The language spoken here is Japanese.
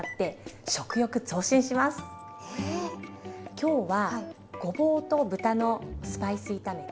今日はごぼうと豚のスパイス炒めと。